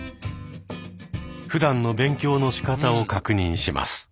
ふだんの勉強のしかたを確認します。